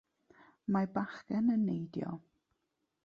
Mae bachgen yn neidio.